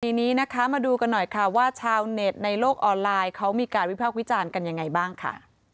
ทีนี้นะคะมาดูกันหน่อยค่ะว่าชาวเน็ตในโลกออนไลน์เขามีการวิพากษ์วิจารณ์กันยังไงบ้างค่ะ